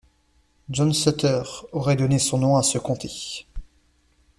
John Sutter aurait donné son nom à ce comté.